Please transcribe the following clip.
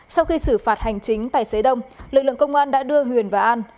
sau khi xử phạt hành chính tài xế đông lực lượng công an đã đưa huyền và an